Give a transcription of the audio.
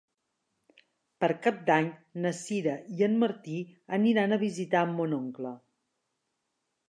Per Cap d'Any na Sira i en Martí aniran a visitar mon oncle.